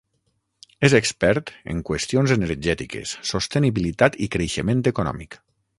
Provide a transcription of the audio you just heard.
És expert en qüestions energètiques, sostenibilitat i creixement econòmic.